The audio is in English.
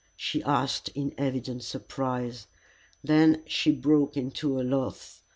she asked, in evident surprise. Then she broke into a laugh.